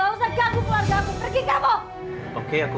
gak usah ganggu keluarga aku